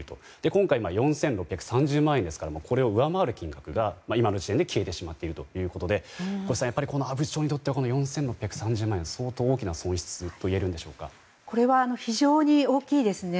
今回、４６３０万円ですからこれを上回る金額が今の時点で消えてしまっているということで越さん、阿武町にとってはこの４６３０万円は相当大きなこれは非常に大きいですね。